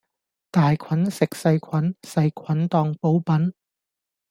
大菌食細菌，細菌當補品